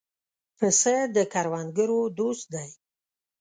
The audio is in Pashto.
پسه د کروندګرو دوست دی.